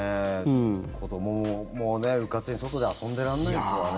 子どもも、うかつに外で遊んでられないですわね。